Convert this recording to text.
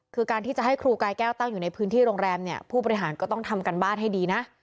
คือการที่จะให้ครูกายแก้วตั้งอยู่ในพื้นที่โรงแรมเนี่ยผู้บริหารก็ต้องทำการบ้านให้ดีนะ